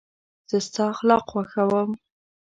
زه ستا اخلاق خوښوم.